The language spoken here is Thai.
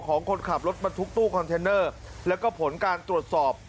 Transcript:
คนขับรถบรรทุกตู้คอนเทนเนอร์แล้วก็ผลการตรวจสอบ